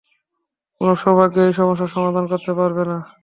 কোনো সৌভাগ্যই এই সমস্যার সমাধান করতে পারবে না।